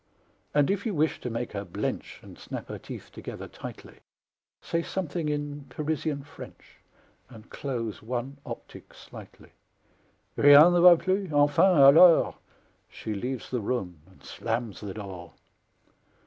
And if you wish to make her blench And snap her teeth together tightly, Say something in Parisian French, And close one optic slightly. "Rien ne va plus! Enfin, alors!" She leaves the room and slams the door!